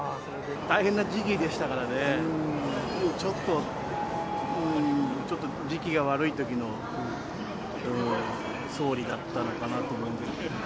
大変な時期でしたからね、ちょっと時期が悪いときの総理だったのかなと思うんですけど。